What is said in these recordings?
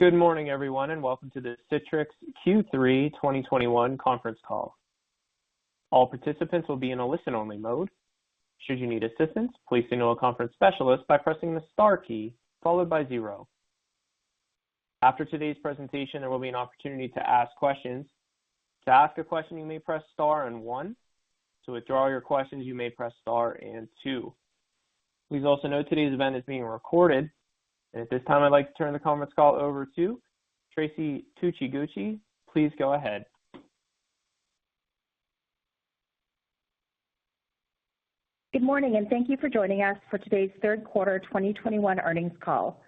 Good morning, everyone, and welcome to the Citrix Q3 2021 conference call. All participants will be in a listen-only mode. Should you need assistance, please signal a conference specialist by pressing the star key followed by zero. After today's presentation, there will be an opportunity to ask questions. To ask a question, you may press star and one. To withdraw your questions, you may press star and two. Please also note today's event is being recorded. At this time, I'd like to turn the conference call over to Traci Tsuchiguchi. Please go ahead. Good morning, and thank you for joining us for today's third quarter 2021 earnings call.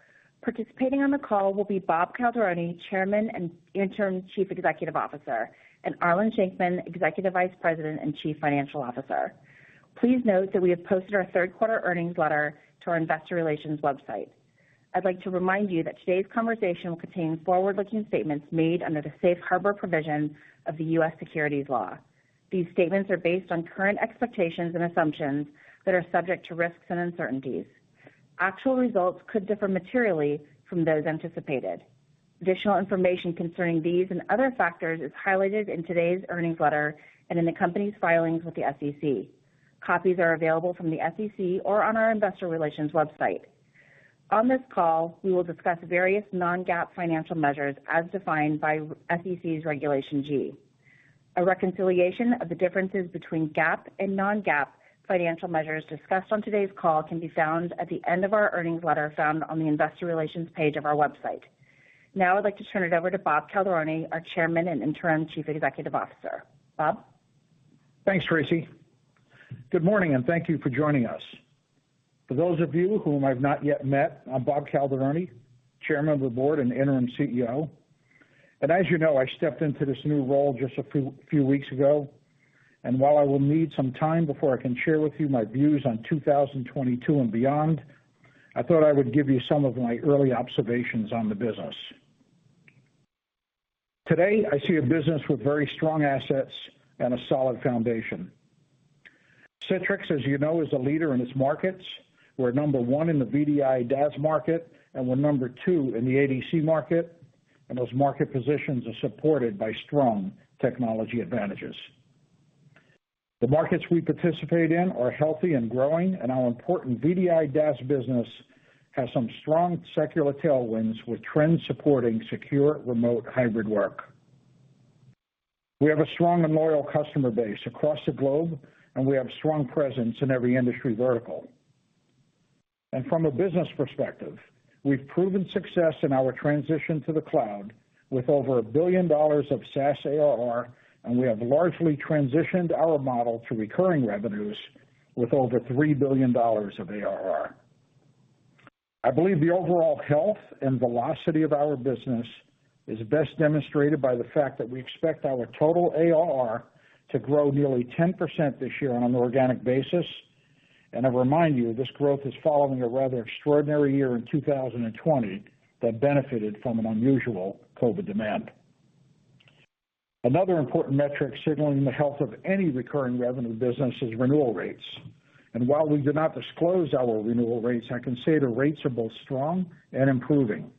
Participating on the call will be Bob Calderoni, Chairman and Interim Chief Executive Officer, and Arlen Shenkman, Executive Vice President and Chief Financial Officer. Please note that we have posted our third quarter earnings letter to our investor relations website. I'd like to remind you that today's conversation will contain forward-looking statements made under the safe harbor provisions of the U.S. Securities law. These statements are based on current expectations and assumptions that are subject to risks and uncertainties. Actual results could differ materially from those anticipated. Additional information concerning these and other factors is highlighted in today's earnings letter and in the company's filings with the SEC. Copies are available from the SEC or on our investor relations website. On this call, we will discuss various non-GAAP financial measures as defined by SEC's Regulation G. A reconciliation of the differences between GAAP and non-GAAP financial measures discussed on today's call can be found at the end of our earnings letter found on the investor relations page of our website. Now I'd like to turn it over to Bob Calderoni, our Chairman and Interim Chief Executive Officer. Bob. Thanks, Traci. Good morning, and thank you for joining us. For those of you whom I've not yet met, I'm Bob Calderoni, Chairman of the board and interim CEO. As you know, I stepped into this new role just a few weeks ago, and while I will need some time before I can share with you my views on 2022 and beyond, I thought I would give you some of my early observations on the business. Today, I see a business with very strong assets and a solid foundation. Citrix, as you know, is a leader in its markets. We're number one in the VDI DaaS market, and we're number two in the ADC market, and those market positions are supported by strong technology advantages. The markets we participate in are healthy and growing, and our important VDI DaaS business has some strong secular tailwinds, with trends supporting secure remote hybrid work. We have a strong and loyal customer base across the globe, and we have strong presence in every industry vertical. From a business perspective, we've proven success in our transition to the cloud with over $1 billion of SaaS ARR, and we have largely transitioned our model to recurring revenues with over $3 billion of ARR. I believe the overall health and velocity of our business is best demonstrated by the fact that we expect our total ARR to grow nearly 10% this year on an organic basis. I remind you, this growth is following a rather extraordinary year in 2020 that benefited from an unusual COVID demand. Another important metric signaling the health of any recurring revenue business is renewal rates. While we do not disclose our renewal rates, I can say the rates are both strong and improving.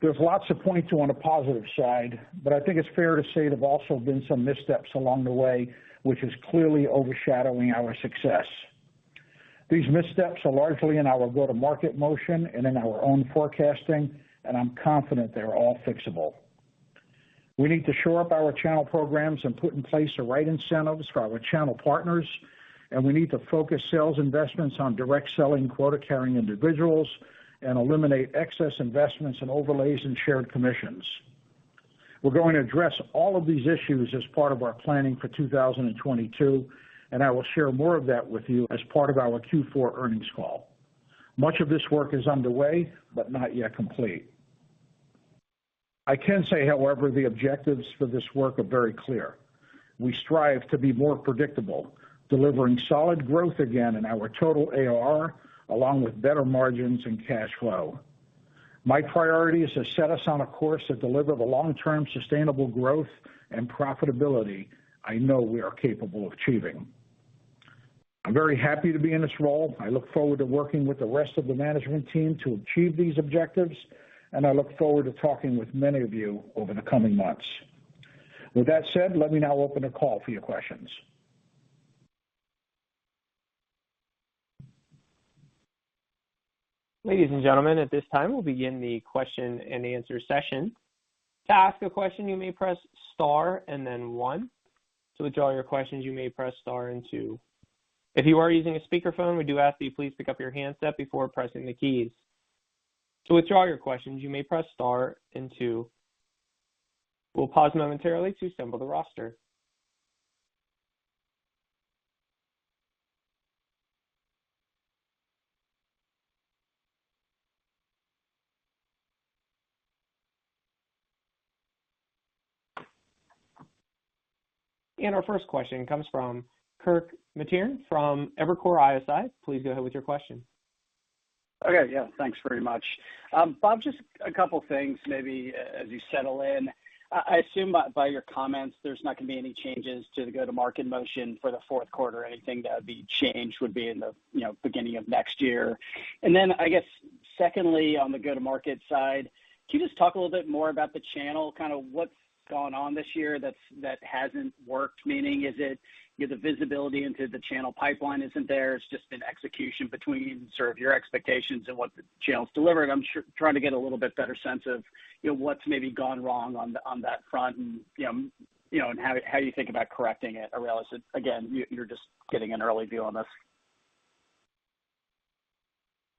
There's lots to point to on the positive side, but I think it's fair to say there've also been some missteps along the way which is clearly overshadowing our success. These missteps are largely in our go-to-market motion and in our own forecasting, and I'm confident they are all fixable. We need to shore up our channel programs and put in place the right incentives for our channel partners, and we need to focus sales investments on direct selling quota-carrying individuals and eliminate excess investments and overlays in shared commissions. We're going to address all of these issues as part of our planning for 2022, and I will share more of that with you as part of our Q4 earnings call. Much of this work is underway but not yet complete. I can say, however, the objectives for this work are very clear. We strive to be more predictable, delivering solid growth again in our total ARR, along with better margins and cash flow. My priority is to set us on a course that deliver the long-term sustainable growth and profitability I know we are capable of achieving. I'm very happy to be in this role. I look forward to working with the rest of the management team to achieve these objectives, and I look forward to talking with many of you over the coming months. With that said, let me now open the call for your questions. Ladies and gentlemen, at this time, we'll begin the question-and-answer session. To ask a question, you may press star and then one. To withdraw your questions, you may press star and two. If you are using a speakerphone, we do ask that you please pick up your handset before pressing the keys. To withdraw your questions, you may press star and two. We'll pause momentarily to assemble the roster. Our first question comes from Kirk Materne from Evercore ISI. Please go ahead with your question. Okay. Yeah, thanks very much. Bob, just a couple things maybe as you settle in. I assume by your comments, there's not gonna be any changes to the go-to-market motion for the fourth quarter. Anything that would be changed would be in the, you know, beginning of next year. Then, I guess, secondly, on the go-to-market side, can you just talk a little bit more about the channel, kind of what's gone on this year that hasn't worked? Meaning, is it, you know, the visibility into the channel pipeline isn't there? It's just been execution between sort of your expectations and what the channel's delivering? I'm trying to get a little bit better sense of, you know, what's maybe gone wrong on that front and, you know, and how you think about correcting it or realize that, again, you're just getting an early view on this.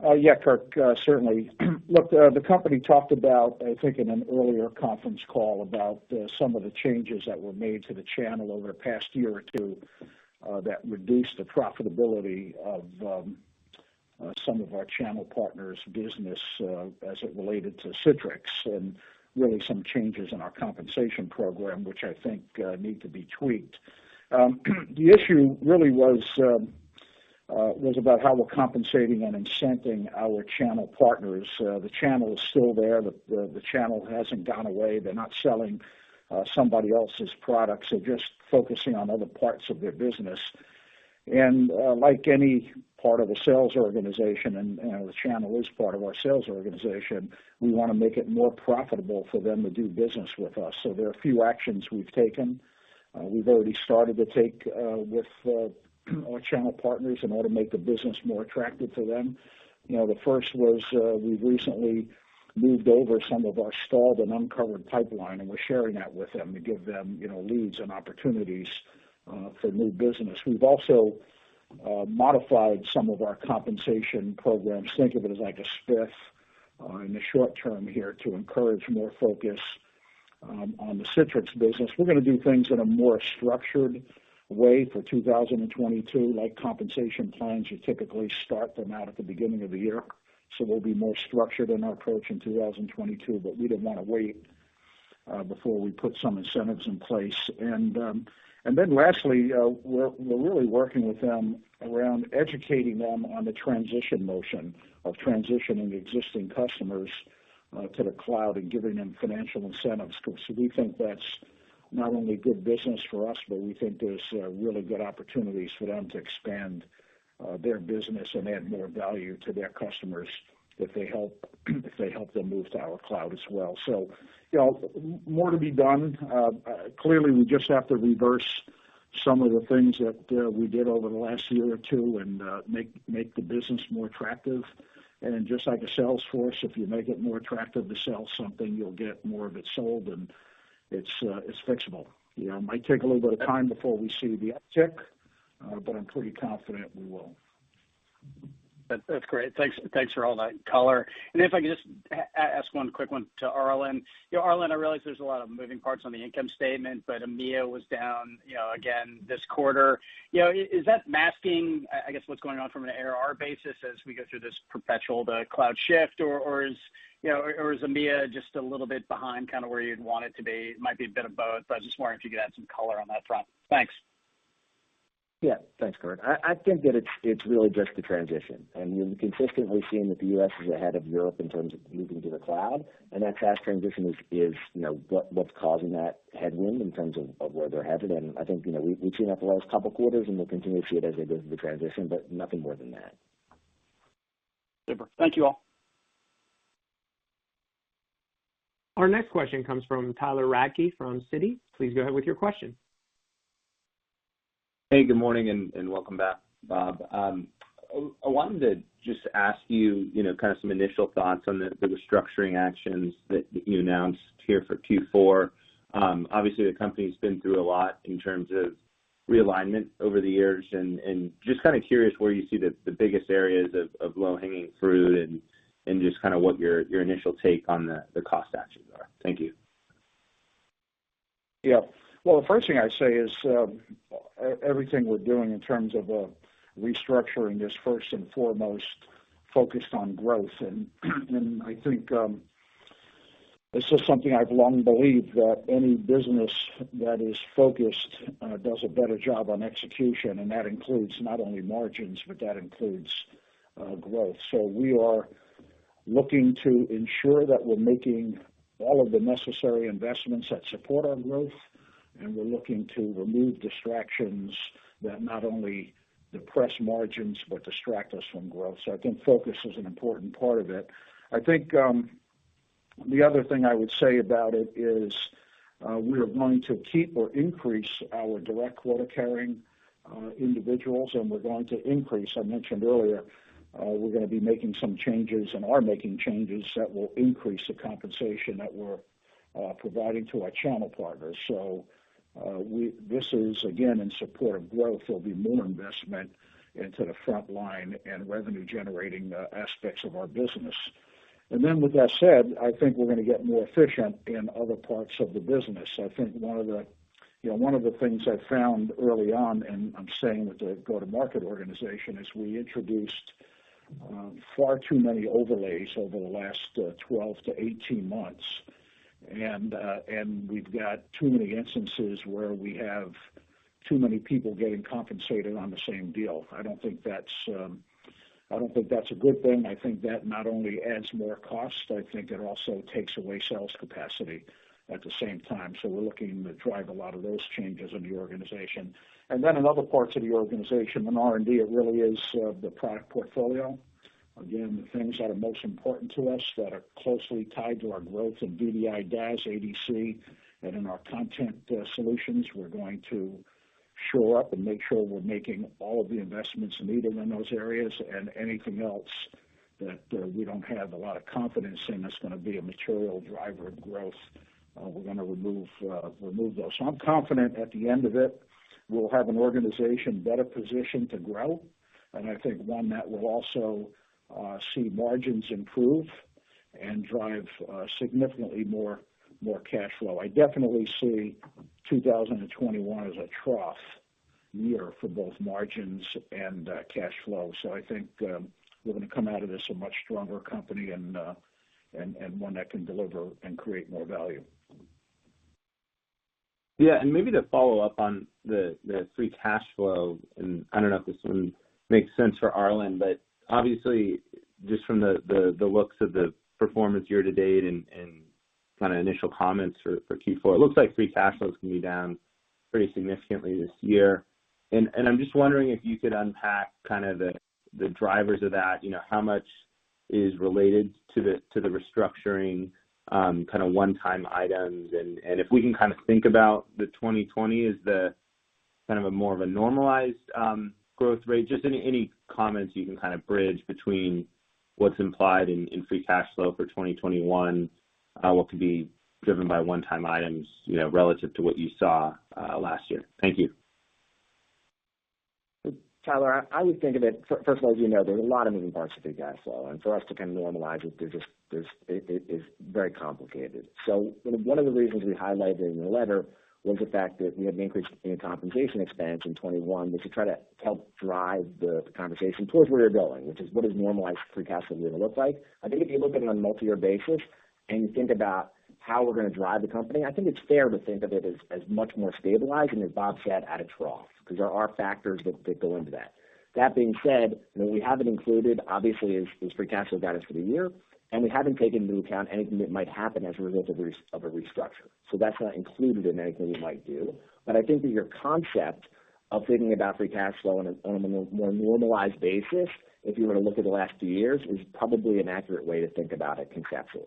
Yeah, Kirk, certainly. Look, the company talked about, I think, in an earlier conference call about some of the changes that were made to the channel over the past year or two that reduced the profitability of some of our channel partners' business as it related to Citrix and really some changes in our compensation program, which I think need to be tweaked. The issue really was about how we're compensating and incenting our channel partners. The channel is still there. The channel hasn't gone away. They're not selling somebody else's products. They're just focusing on other parts of their business. Like any part of a sales organization, and the channel is part of our sales organization, we wanna make it more profitable for them to do business with us. There are a few actions we've taken. We've already started to take with our channel partners in order to make the business more attractive to them. You know, the first was, we've recently moved over some of our stalled and uncovered pipeline, and we're sharing that with them to give them, you know, leads and opportunities for new business. We've also modified some of our compensation programs. Think of it as like a spiff in the short term here to encourage more focus on the Citrix business. We're gonna do things in a more structured way for 2022, like compensation plans, you typically start them out at the beginning of the year. They'll be more structured in our approach in 2022, but we didn't wanna wait before we put some incentives in place. Then lastly, we're really working with them around educating them on the notion of transitioning existing customers to the cloud and giving them financial incentives. We think that's not only good business for us, but we think there's really good opportunities for them to expand their business and add more value to their customers if they help them move to our cloud as well. You know, more to be done. Clearly, we just have to reverse some of the things that we did over the last year or two and make the business more attractive. Then just like a sales force, if you make it more attractive to sell something, you'll get more of it sold, and it's fixable. You know, it might take a little bit of time before we see the uptick, but I'm pretty confident we will. That's great. Thanks for all that color. If I could just ask one quick one to Arlen. You know, Arlen, I realize there's a lot of moving parts on the income statement, but EMEA was down, you know, again this quarter. You know, is that masking, I guess, what's going on from an ARR basis as we go through this perpetual, the cloud shift, or is, you know, or is EMEA just a little bit behind kind of where you'd want it to be? Might be a bit of both, but I just wondered if you could add some color on that front. Thanks. Yeah. Thanks, Kirk. I think that it's really just the transition. You're consistently seeing that the U.S. is ahead of Europe in terms of moving to the cloud, and that fast transition is, you know, what's causing that headwind in terms of where they're headed. I think, you know, we've seen that the last couple quarters, and we'll continue to see it as they go through the transition, but nothing more than that. Super. Thank you all. Our next question comes from Tyler Radke from Citi. Please go ahead with your question. Hey, good morning, and welcome back, Bob. I wanted to just ask you know, kind of some initial thoughts on the restructuring actions that you announced here for Q4. Obviously the company's been through a lot in terms of realignment over the years, and just kind of curious where you see the biggest areas of low-hanging fruit and just kind of what your initial take on the cost actions are. Thank you. Yeah. Well, the first thing I'd say is, everything we're doing in terms of restructuring is first and foremost focused on growth. I think this is something I've long believed, that any business that is focused does a better job on execution, and that includes not only margins, but that includes growth. We are looking to ensure that we're making all of the necessary investments that support our growth, and we're looking to remove distractions that not only depress margins, but distract us from growth. I think focus is an important part of it. I think, the other thing I would say about it is, we are going to keep or increase our direct quota-carrying individuals, and I mentioned earlier, we're gonna be making some changes and are making changes that will increase the compensation that we're providing to our channel partners. This is, again, in support of growth. There'll be more investment into the front line and revenue-generating aspects of our business. Then with that said, I think we're gonna get more efficient in other parts of the business. I think one of the, you know, one of the things I found early on, and I'm saying with the go-to-market organization, is we introduced far too many overlays over the last 12-18 months. We've got too many instances where we have too many people getting compensated on the same deal. I don't think that's a good thing. I think that not only adds more cost, it also takes away sales capacity at the same time. We're looking to drive a lot of those changes in the organization. In other parts of the organization, in R&D, it really is the product portfolio. Again, the things that are most important to us that are closely tied to our growth in VDI, DaaS, ADC, and in our content solutions, we're going to shore up and make sure we're making all of the investments needed in those areas. Anything else that we don't have a lot of confidence in, that's gonna be a material driver of growth, we're gonna remove those. I'm confident at the end of it, we'll have an organization better positioned to grow, and I think one that will also see margins improve and drive significantly more cash flow. I definitely see 2021 as a trough year for both margins and cash flow. I think, we're gonna come out of this a much stronger company and one that can deliver and create more value. Yeah. Maybe to follow up on the free cash flow, and I don't know if this one makes sense for Arlen, but obviously just from the looks of the performance year to date and kinda initial comments for Q4, it looks like free cash flow is gonna be down pretty significantly this year. I'm just wondering if you could unpack kind of the drivers of that, you know, how much is related to the restructuring, kind of one-time items. If we can kind of think about the 2020 as the kind of a more of a normalized growth rate. Just any comments you can kind of bridge between what's implied in free cash flow for 2021, what could be driven by one-time items, you know, relative to what you saw last year. Thank you. Tyler, I would think of it. First of all, as you know, there's a lot of moving parts to free cash flow, and for us to kinda normalize it, there's just, it's very complicated. One of the reasons we highlighted in the letter was the fact that we had an increase in compensation expense in 2021. We should try to help drive the conversation towards where we're going, which is what does normalized free cash flow gonna look like. I think if you look at it on a multi-year basis and you think about how we're gonna drive the company, I think it's fair to think of it as much more stabilized and, as Bob said, at a trough, 'cause there are factors that go into that. That being said, you know, we haven't included, obviously, free cash flow guidance for the year, and we haven't taken into account anything that might happen as a result of a restructuring. That's not included in anything we might do. I think that your concept of thinking about free cash flow on a more normalized basis, if you were to look at the last few years, is probably an accurate way to think about it conceptually.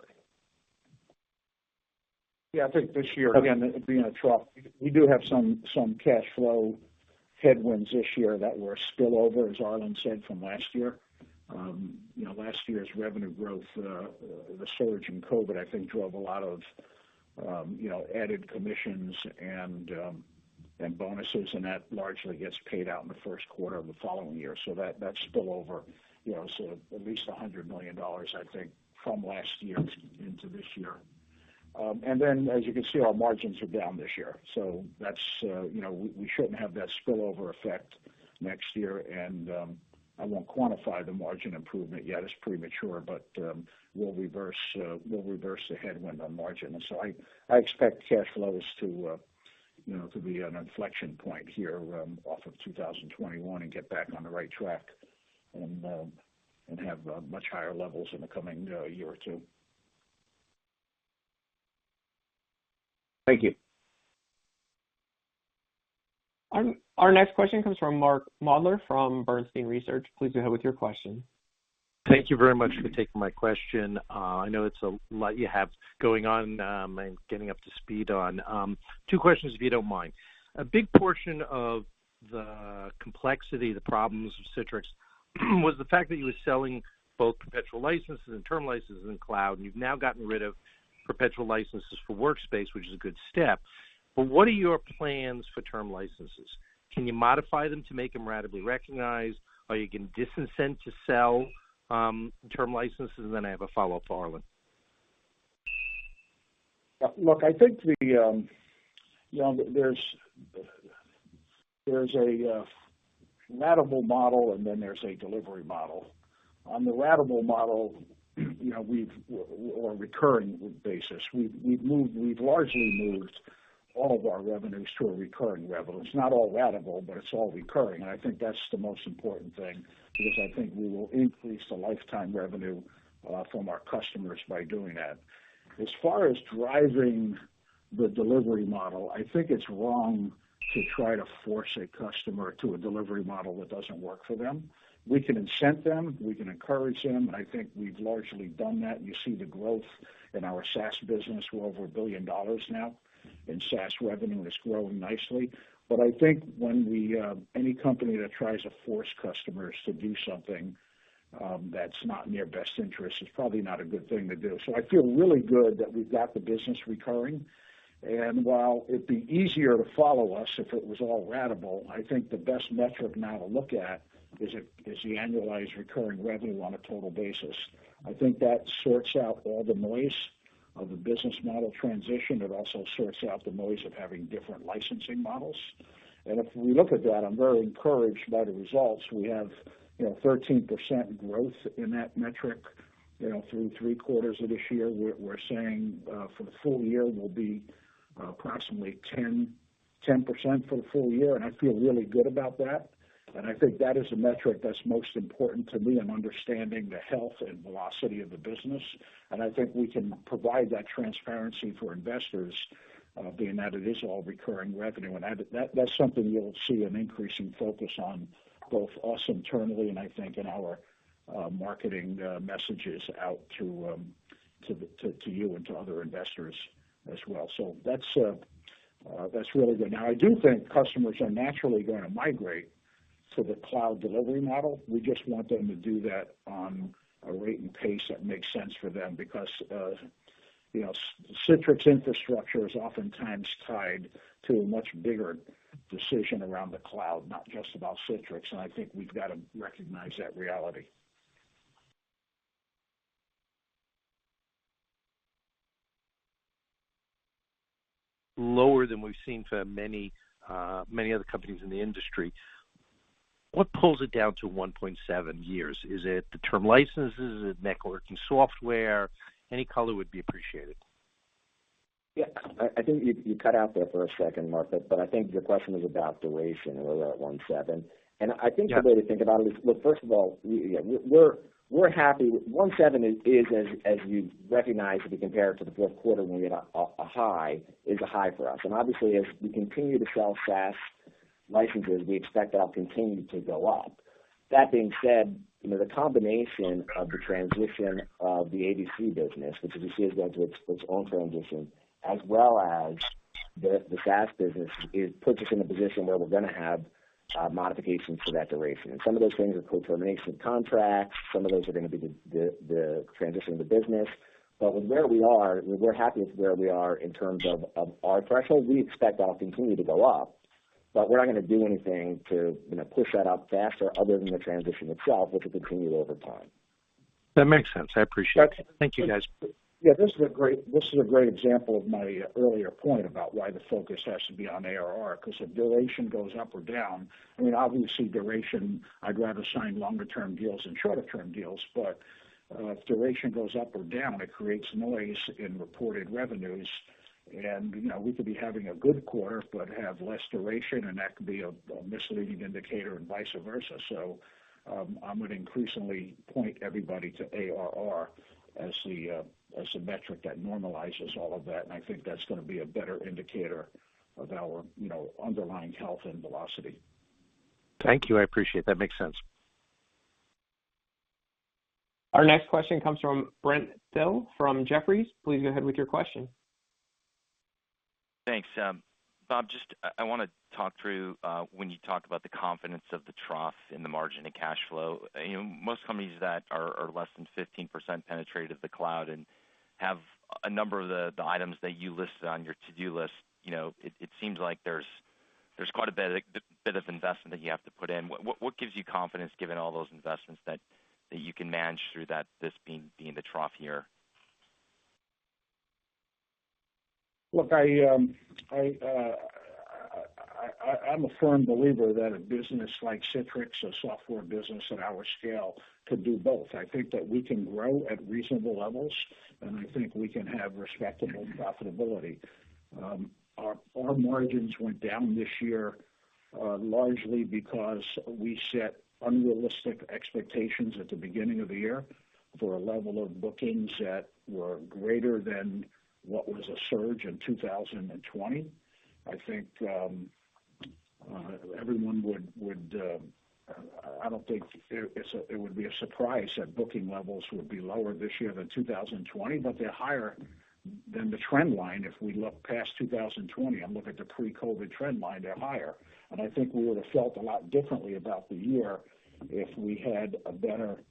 Yeah. I think this year, again, it being a trough, we do have some cash flow headwinds this year that were spillover, as Arlen said, from last year. You know, last year's revenue growth, the surge in COVID, I think drove a lot of, you know, added commissions and bonuses, and that largely gets paid out in the first quarter of the following year. That spillover, you know, at least $100 million, I think, from last year into this year. And then as you can see, our margins are down this year. That's, we shouldn't have that spillover effect next year. I won't quantify the margin improvement yet, it's premature, but we'll reverse the headwind on margin. I expect cash flows to, you know, to be an inflection point here off of 2021 and get back on the right track and have much higher levels in the coming year or two. Thank you. Our next question comes from Mark Moerdler from Bernstein Research. Please go ahead with your question. Thank you very much for taking my question. I know it's a lot you have going on and getting up to speed on. Two questions, if you don't mind. A big portion of the complexity, the problems of Citrix, was the fact that you were selling both perpetual licenses and term licenses in cloud, and you've now gotten rid of perpetual licenses for Workspace, which is a good step. What are your plans for term licenses? Can you modify them to make them ratably recognized or you can dis-incent to sell term licenses? And then I have a follow-up for Arlen. Look, I think the, you know, there's a ratable model, and then there's a delivery model. On the ratable model, you know, or recurring basis, we've largely moved all of our revenues to a recurring revenue. It's not all ratable, but it's all recurring, and I think that's the most important thing, because I think we will increase the lifetime revenue from our customers by doing that. As far as driving the delivery model, I think it's wrong to try to force a customer to a delivery model that doesn't work for them. We can incent them, we can encourage them, and I think we've largely done that. You see the growth in our SaaS business. We're over $1 billion now, and SaaS revenue is growing nicely. I think any company that tries to force customers to do something that's not in their best interest is probably not a good thing to do. I feel really good that we've got the business recurring. While it'd be easier to follow us if it was all ratable, I think the best metric now to look at is the annualized recurring revenue on a total basis. I think that sorts out all the noise of a business model transition. It also sorts out the noise of having different licensing models. If we look at that, I'm very encouraged by the results. We have 13% growth in that metric through three quarters of this year. We're saying for the full year, we'll be approximately 10% for the full year. I feel really good about that. I think that is a metric that's most important to me in understanding the health and velocity of the business. I think we can provide that transparency for investors, being that it is all recurring revenue. That's something you'll see an increase in focus on both us internally and I think in our marketing messages out to you and to other investors as well. That's really good. Now, I do think customers are naturally gonna migrate to the cloud delivery model. We just want them to do that on a rate and pace that makes sense for them because, you know, Citrix infrastructure is oftentimes tied to a much bigger decision around the cloud, not just about Citrix, and I think we've got to recognize that reality. Lower than we've seen for many, many other companies in the industry. What pulls it down to 1.7 years? Is it the term licenses? Is it networking software? Any color would be appreciated. Yeah. I think you cut out there for a second, Mark, but I think your question is about duration, where we're at 1.7 years. Yeah. I think the way to think about it is, look, first of all, we're happy. 1.7 years is, as you recognize, if you compare it to the fourth quarter when we had a high for us. Obviously, as we continue to sell SaaS licenses, we expect that'll continue to go up. That being said, you know, the combination of the transition of the ADC business, which as you see, has gone through its own transition, as well as the SaaS business, it puts us in a position where we're gonna have modifications to that duration. Some of those things are full termination of contracts, some of those are gonna be the transitioning of the business. With where we are, we're happy with where we are in terms of our threshold. We expect that'll continue to go up, but we're not gonna do anything to, you know, push that up faster other than the transition itself, which will continue over time. That makes sense. I appreciate it. That's- Thank you, guys. Yeah, this is a great example of my earlier point about why the focus has to be on ARR, 'cause if duration goes up or down, I mean, obviously, duration, I'd rather sign longer term deals than shorter term deals. If duration goes up or down, it creates noise in reported revenues. You know, we could be having a good quarter but have less duration, and that could be a misleading indicator and vice versa. I'm gonna increasingly point everybody to ARR as the metric that normalizes all of that, and I think that's gonna be a better indicator of our, you know, underlying health and velocity. Thank you. I appreciate it. That makes sense. Our next question comes from Brent Thill from Jefferies. Please go ahead with your question. Thanks. Bob, just I wanna talk through when you talked about the confidence of the trough in the margin and cash flow. You know, most companies that are less than 15% penetration of the cloud and have a number of the items that you listed on your to-do list, you know, it seems like there's quite a bit of investment that you have to put in. What gives you confidence given all those investments that you can manage through that, this being the trough year? Look, I'm a firm believer that a business like Citrix, a software business at our scale, could do both. I think that we can grow at reasonable levels, and I think we can have respectable profitability. Our margins went down this year, largely because we set unrealistic expectations at the beginning of the year for a level of bookings that were greater than what was a surge in 2020. I don't think it would be a surprise that booking levels would be lower this year than 2020, but they're higher than the trend line if we look past 2020 and look at the pre-COVID trend line. They're higher. I think we would've felt a lot differently about the year if we had a better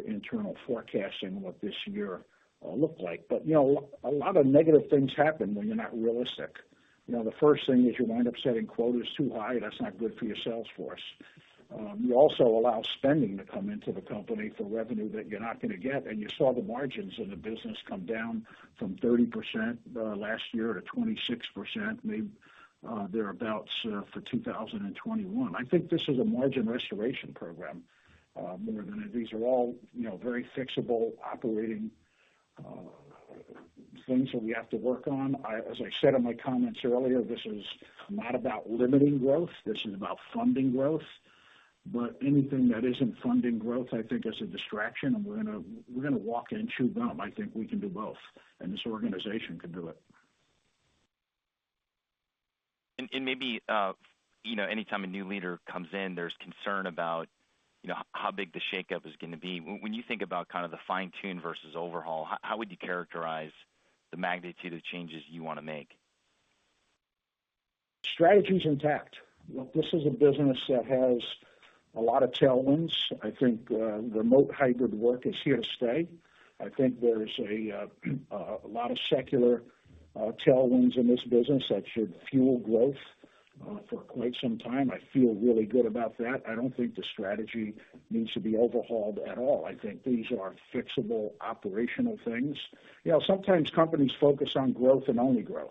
internal forecast in what this year looked like. But, you know, a lot of negative things happen when you're not realistic. You know, the first thing is you wind up setting quotas too high. That's not good for your sales force. You also allow spending to come into the company for revenue that you're not gonna get. And you saw the margins in the business come down from 30% last year to 26%, maybe, thereabouts, for 2021. I think this is a margin restoration program. These are all, you know, very fixable operating things that we have to work on. As I said in my comments earlier, this is not about limiting growth, this is about funding growth. Anything that isn't funding growth, I think is a distraction, and we're gonna walk and chew gum. I think we can do both, and this organization can do it. Maybe you know, anytime a new leader comes in, there's concern about, you know, how big the shakeup is gonna be. When you think about kind of the fine-tune versus overhaul, how would you characterize the magnitude of changes you wanna make? Strategy's intact. Look, this is a business that has a lot of tailwinds. I think remote hybrid work is here to stay. I think there's a lot of secular tailwinds in this business that should fuel growth for quite some time. I feel really good about that. I don't think the strategy needs to be overhauled at all. I think these are fixable operational things. You know, sometimes companies focus on growth and only growth.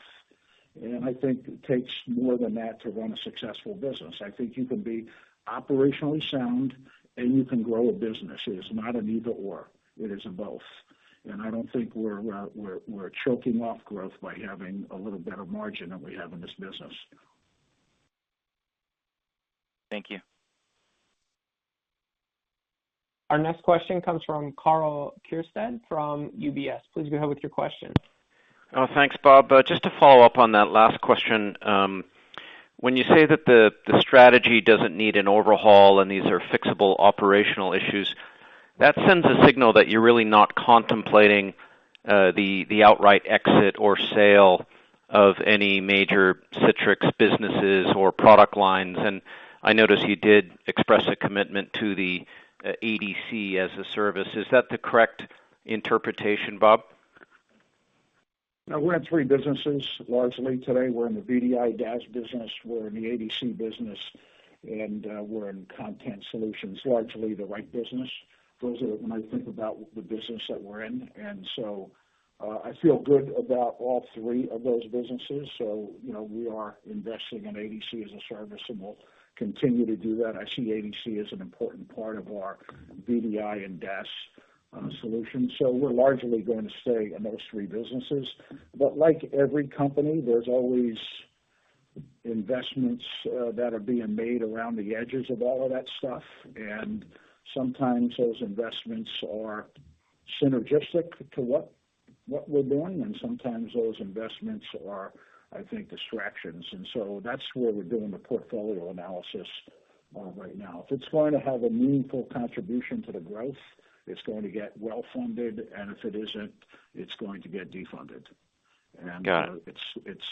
I think it takes more than that to run a successful business. I think you can be operationally sound and you can grow a business. It is not an either/or, it is a both. I don't think we're choking off growth by having a little better margin than we have in this business. Thank you. Our next question comes from Karl Keirstead from UBS. Please go ahead with your question. Thanks, Bob. Just to follow up on that last question, when you say that the strategy doesn't need an overhaul and these are fixable operational issues, that sends a signal that you're really not contemplating the outright exit or sale of any major Citrix businesses or product lines. I noticed you did express a commitment to the ADC as a service. Is that the correct interpretation, Bob? We have three businesses. Largely today, we're in the VDI/DaaS business, we're in the ADC business, and we're in content solutions. Largely the right business, those are when I think about the business that we're in. I feel good about all three of those businesses. You know, we are investing in ADC as a service, and we'll continue to do that. I see ADC as an important part of our VDI and DaaS solution, so we're largely going to stay in those three businesses. Like every company, there's always investments that are being made around the edges of all of that stuff. Sometimes those investments are synergistic to what we're doing, and sometimes those investments are, I think, distractions. That's where we're doing the portfolio analysis right now. If it's going to have a meaningful contribution to the growth, it's going to get well-funded, and if it isn't, it's going to get defunded. Got it. It's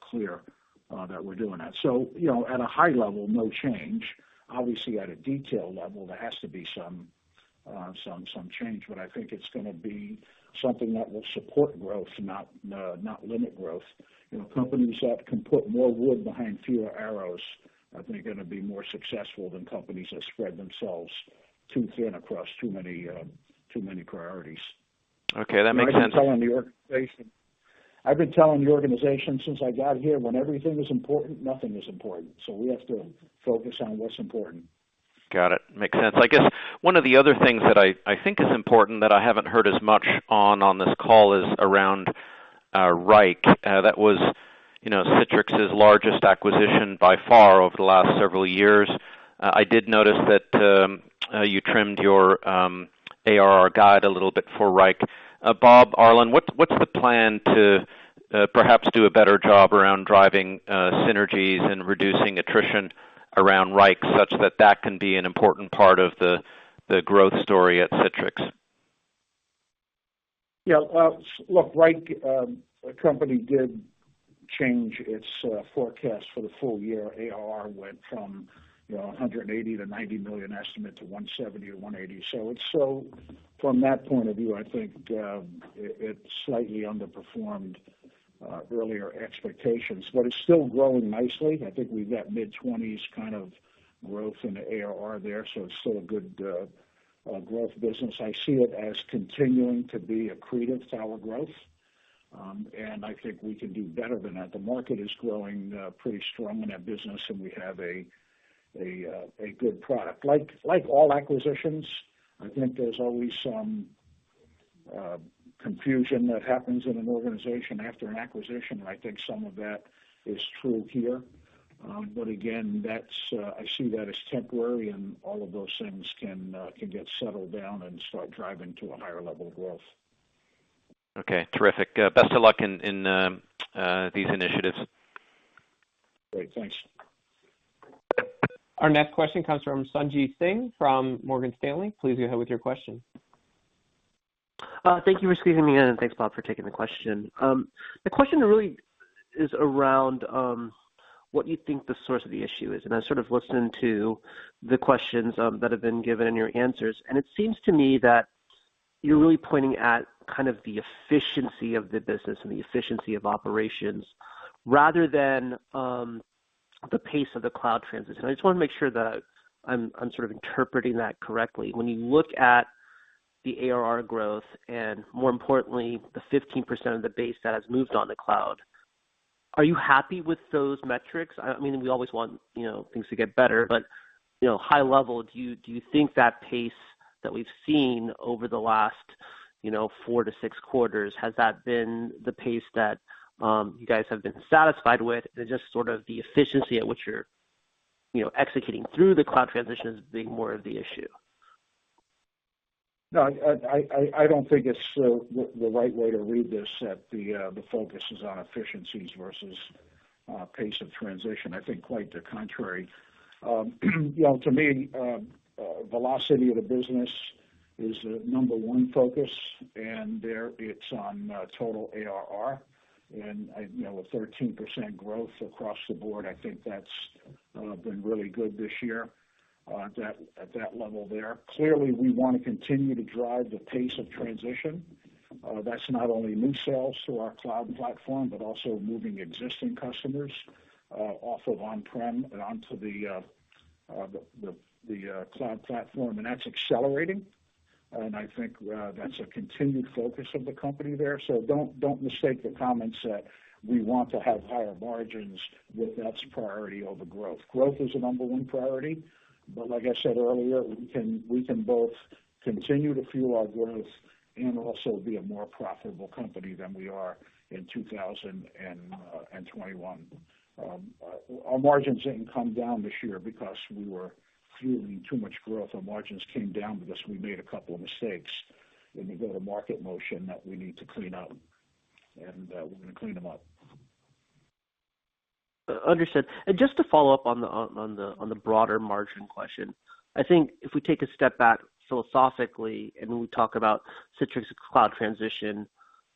clear that we're doing that. You know, at a high level, no change. Obviously, at a detail level, there has to be some change, but I think it's gonna be something that will support growth, not limit growth. You know, companies that can put more wood behind fewer arrows, I think are gonna be more successful than companies that spread themselves too thin across too many priorities. Okay. That makes sense. I've been telling the organization since I got here, when everything is important, nothing is important. We have to focus on what's important. Got it. Makes sense. I guess one of the other things that I think is important that I haven't heard as much on this call is around Wrike. That was, you know, Citrix's largest acquisition by far over the last several years. I did notice that you trimmed your ARR guide a little bit for Wrike. Bob, Arlen, what's the plan to perhaps do a better job around driving synergies and reducing attrition around Wrike such that that can be an important part of the growth story at Citrix? Yeah. Look, Wrike company did change its forecast for the full year. ARR went from, you know, $180 million-$190 million estimate to $170 million -$180 million. So, it's from that point of view, I think, it slightly underperformed earlier expectations, but it's still growing nicely. I think we've got mid-20s kind of growth in the ARR there, so it's still a good growth business. I see it as continuing to be accretive to our growth. I think we can do better than that. The market is growing pretty strong in that business, and we have a good product. Like all acquisitions, I think there's always some confusion that happens in an organization after an acquisition. I think some of that is true here. Again, that's I see that as temporary and all of those things can get settled down and start driving to a higher level of growth. Okay. Terrific. Best of luck in these initiatives. Great. Thanks. Our next question comes from Sanjit Singh from Morgan Stanley. Please go ahead with your question. Thank you for squeezing me in, and thanks, Bob, for taking the question. The question really is around what you think the source of the issue is. I sort of listened to the questions that have been given and your answers. It seems to me that you're really pointing at kind of the efficiency of the business and the efficiency of operations rather than the pace of the cloud transition. I just wanna make sure that I'm sort of interpreting that correctly. When you look at the ARR growth and more importantly, the 15% of the base that has moved on the cloud, are you happy with those metrics? I mean, we always want, you know, things to get better, but, you know, high level, do you think that pace that we've seen over the last, you know, four to six quarters, has that been the pace that you guys have been satisfied with? Just sort of the efficiency at which you're, you know, executing through the cloud transition is the more of the issue. No, I don't think it's the right way to read this, that the focus is on efficiencies versus pace of transition. I think quite the contrary. You know, to me, velocity of the business is the number one focus, and there it's on total ARR and, you know, a 13% growth across the board. I think that's been really good this year at that level there. Clearly, we wanna continue to drive the pace of transition. That's not only new sales to our cloud platform, but also moving existing customers off of on-prem and onto the cloud platform. That's accelerating. I think that's a continued focus of the company there. Don't mistake the comments that we want to have higher margins with that as priority over growth. Growth is the number one priority. Like I said earlier, we can both continue to fuel our growth and also be a more profitable company than we are in 2021. Our margins didn't come down this year because we were fueling too much growth. Our margins came down because we made a couple of mistakes in the go-to-market motion that we need to clean up, and we're gonna clean them up. Understood. Just to follow up on the broader margin question. I think if we take a step back philosophically and we talk about Citrix cloud transition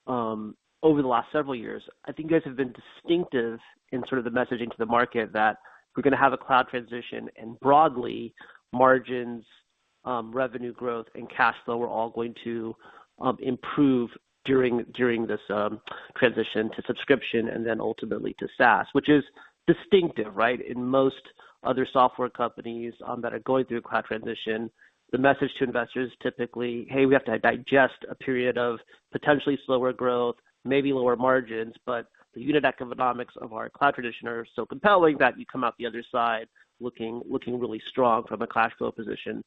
over the last several years, I think you guys have been distinctive in sort of the messaging to the market that we're gonna have a cloud transition, and broadly, margins, revenue growth, and cash flow are all going to improve during this transition to subscription and then ultimately to SaaS. Which is distinctive, right? In most other software companies that are going through a cloud transition, the message to investors typically, "Hey, we have to digest a period of potentially slower growth, maybe lower margins, but the unit economics of our cloud transition are so compelling that you come out the other side looking really strong from a cash flow position."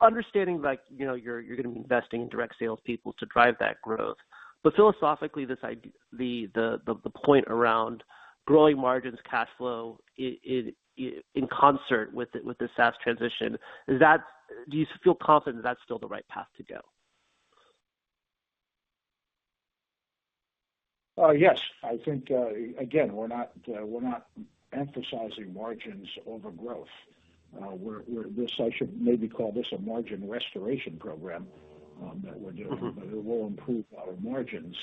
Understanding like, you know, you're gonna be investing in direct sales people to drive that growth. Philosophically, the point around growing margins cash flow in concert with the SaaS transition is that. Do you feel confident that that's still the right path to go? Yes. I think, again, we're not emphasizing margins over growth. This, I should maybe call this a margin restoration program that we're doing. Mm-hmm. It will improve our margins.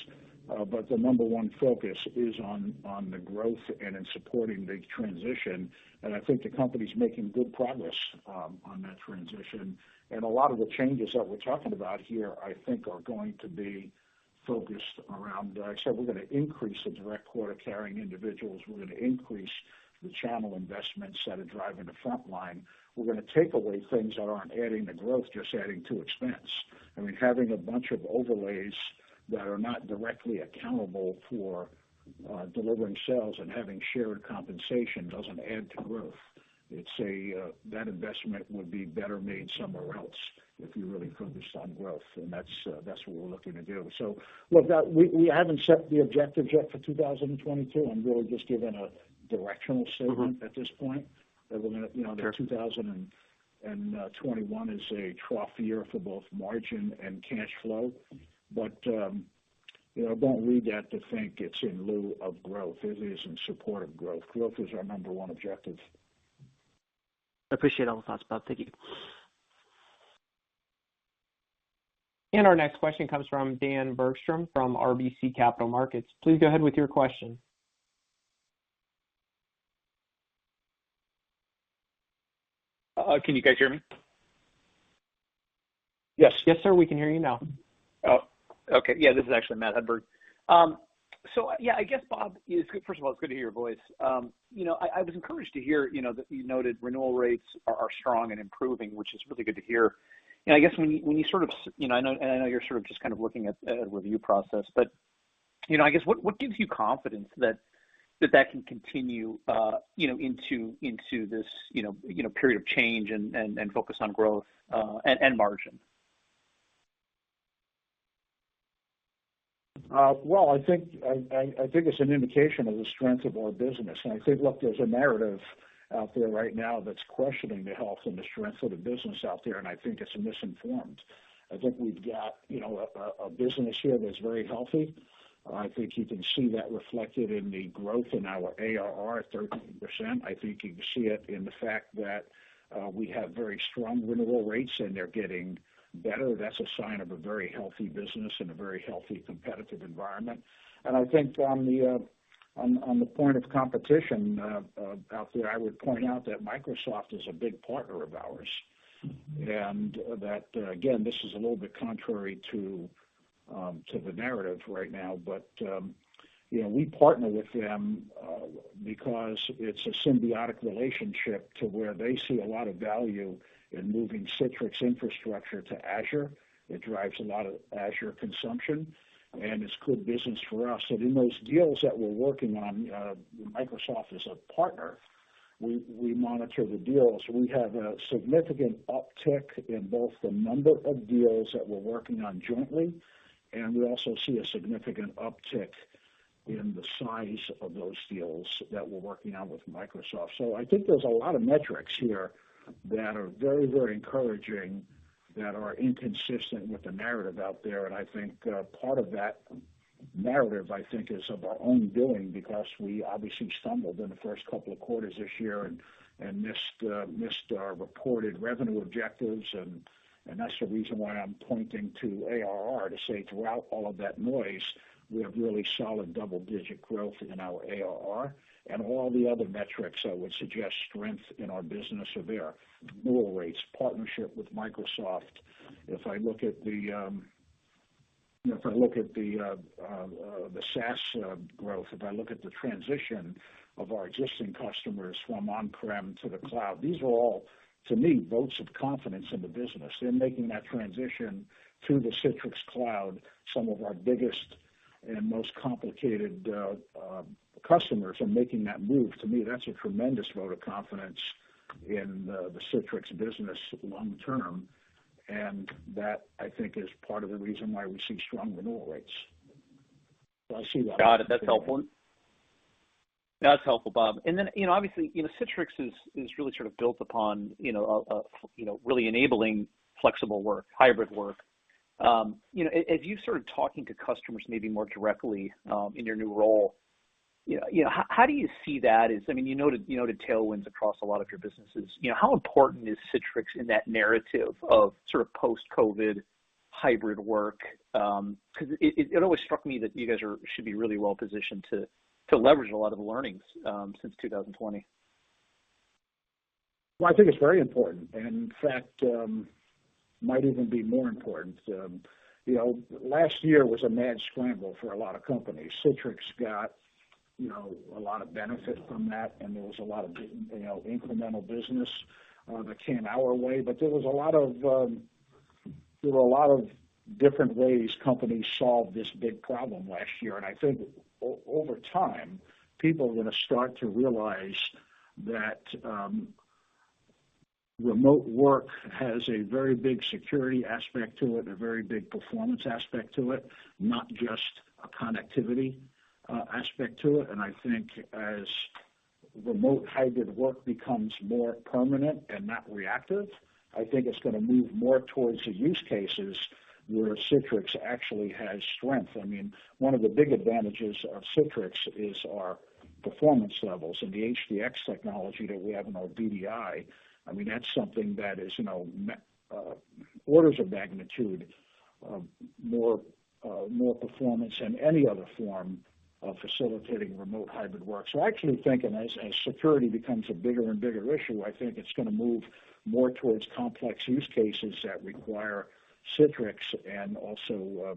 The number one focus is on the growth and in supporting the transition. I think the company's making good progress on that transition. A lot of the changes that we're talking about here, I think, are going to be focused around, I said we're gonna increase the direct quota-carrying individuals. We're gonna increase the channel investments that are driving the front line. We're gonna take away things that aren't adding to growth, just adding to expense. I mean, having a bunch of overlays that are not directly accountable for delivering sales and having shared compensation doesn't add to growth. That investment would be better made somewhere else if you're really focused on growth, and that's what we're looking to do. Look, we haven't set the objectives yet for 2022. I'm really just giving a directional statement. Mm-hmm at this point. Fair. You know, that 2021 is a trough year for both margin and cash flow. You know, don't read that to think it's in lieu of growth. It is in support of growth. Growth is our number one objective. appreciate all the thoughts, Bob. Thank you. Our next question comes from Dan Bergstrom, from RBC Capital Markets. Please go ahead with your question. Can you guys hear me? Yes. Yes, sir, we can hear you now. Oh, okay. Yeah, this is actually Matt Hedberg. So yeah, I guess, Bob, it's good. First of all, it's good to hear your voice. You know, I was encouraged to hear, you know, that you noted renewal rates are strong and improving, which is really good to hear. I guess when you sort of, you know, I know and I know you're sort of just kind of working at a review process. You know, I guess what gives you confidence that that can continue, you know, into this, you know, period of change and focus on growth and margin? Well, I think it's an indication of the strength of our business. I think, look, there's a narrative out there right now that's questioning the health and the strength of the business out there, and I think it's misinformed. I think we've got, you know, a business here that's very healthy. I think you can see that reflected in the growth in our ARR at 13%. I think you can see it in the fact that we have very strong renewal rates, and they're getting better. That's a sign of a very healthy business and a very healthy competitive environment. I think on the point of competition out there, I would point out that Microsoft is a big partner of ours. Mm-hmm. That, again, this is a little bit contrary to the narrative right now, but, you know, we partner with them, because it's a symbiotic relationship to where they see a lot of value in moving Citrix infrastructure to Azure. It drives a lot of Azure consumption, and it's good business for us. In those deals that we're working on, Microsoft is a partner. We monitor the deals. We have a significant uptick in both the number of deals that we're working on jointly, and we also see a significant uptick in the size of those deals that we're working on with Microsoft. I think there's a lot of metrics here that are very, very encouraging, that are inconsistent with the narrative out there. I think part of that narrative, I think, is of our own doing because we obviously stumbled in the first couple of quarters this year and missed our reported revenue objectives. That's the reason why I'm pointing to ARR to say throughout all of that noise, we have really solid double-digit growth in our ARR. All the other metrics, I would suggest, strength in our business are there. Renewal rates, partnership with Microsoft. If I look at the SaaS growth, if I look at the transition of our existing customers from on-prem to the cloud, these are all, to me, votes of confidence in the business. They're making that transition to the Citrix cloud, some of our biggest and most complicated customers are making that move. To me, that's a tremendous vote of confidence in the Citrix business long term. That, I think, is part of the reason why we see strong renewal rates. I see that. Got it. That's helpful, Bob. You know, obviously, you know, Citrix is really sort of built upon, you know, really enabling flexible work, hybrid work. As you sort of talking to customers maybe more directly in your new role, you know, how do you see that as I mean, you noted tailwinds across a lot of your businesses. You know, how important is Citrix in that narrative of sort of post-COVID hybrid work? 'Cause it always struck me that you guys should be really well positioned to leverage a lot of the learnings since 2020. Well, I think it's very important. In fact, it might even be more important. You know, last year was a mad scramble for a lot of companies. Citrix got, you know, a lot of benefit from that, and there was a lot of, you know, incremental business that came our way. There were a lot of different ways companies solved this big problem last year. I think over time, people are gonna start to realize that remote work has a very big security aspect to it and a very big performance aspect to it, not just a connectivity aspect to it. I think as remote hybrid work becomes more permanent and not reactive, it's gonna move more towards the use cases where Citrix actually has strength. I mean, one of the big advantages of Citrix is our performance levels and the HDX technology that we have in our VDI. I mean, that's something that is, you know, orders of magnitude more performance than any other form of facilitating remote hybrid work. I actually think as security becomes a bigger and bigger issue, I think it's gonna move more towards complex use cases that require Citrix and also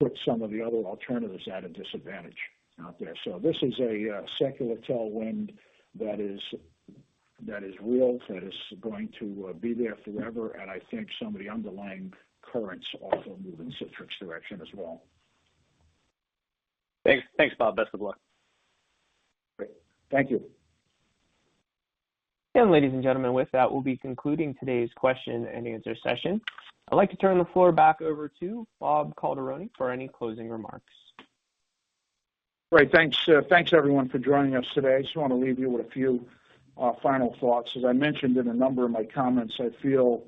put some of the other alternatives at a disadvantage out there. This is a secular tailwind that is real, that is going to be there forever, and I think some of the underlying currents also move in Citrix direction as well. Thanks. Thanks, Bob. Best of luck. Great. Thank you. Ladies and gentlemen, with that, we'll be concluding today's question and answer session. I'd like to turn the floor back over to Bob Calderoni for any closing remarks. Great. Thanks, thanks everyone for joining us today. I just wanna leave you with a few, final thoughts. As I mentioned in a number of my comments, I feel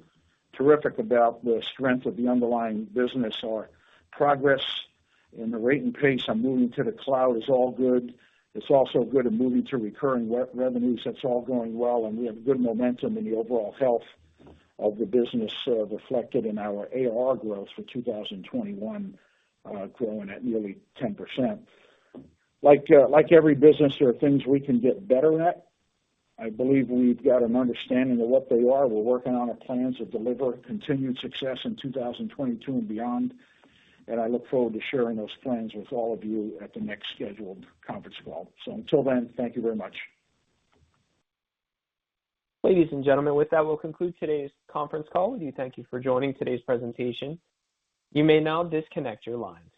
terrific about the strength of the underlying business. Our progress and the rate and pace I'm moving to the cloud is all good. It's also good in moving to recurring revenues. That's all going well, and we have good momentum in the overall health of the business, reflected in our ARR growth for 2021, growing at nearly 10%. Like every business, there are things we can get better at. I believe we've got an understanding of what they are. We're working on our plans to deliver continued success in 2022 and beyond, and I look forward to sharing those plans with all of you at the next scheduled conference call. Until then, thank you very much. Ladies and gentlemen, with that, we'll conclude today's conference call. We thank you for joining today's presentation. You may now disconnect your lines.